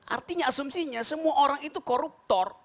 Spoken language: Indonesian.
artinya asumsinya semua orang itu koruptor